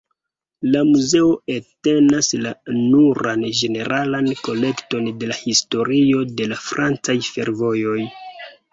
La muzeo entenas la nuran ĝeneralan kolekton de la historio de la francaj fervojoj.